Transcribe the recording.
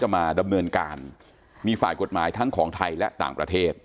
มาดำเนินการมีฝ่ายกฎหมายทั้งของไทยและต่างประเทศ